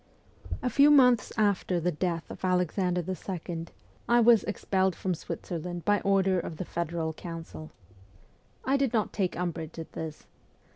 A few months after the death of Alexander II. 248 MEMOIRS OF A REVOLUTIONIST I was expelled from Switzerland by order of the federal council. I did not take umbrage at this.